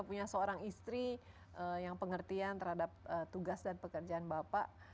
punya seorang istri yang pengertian terhadap tugas dan pekerjaan bapak